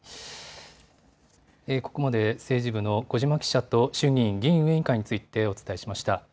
ここまで、政治部の小嶋記者と衆議院議院運営委員会についてお伝えしました。